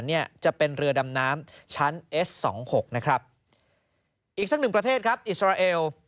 อีกสักหนึ่งประเทศครับอิสราเอล